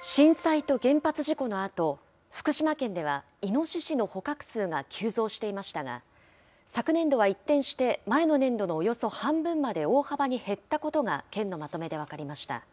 震災と原発事故のあと、福島県ではイノシシの捕獲数が急増していましたが、昨年度は一転して、前の年度のおよそ半分まで大幅に減ったことが、県のまとめで分かりました。